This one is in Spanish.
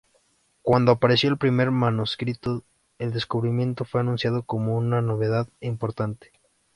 Cuando apareció el primer manuscrito, el descubrimiento fue anunciado como una novedad importante.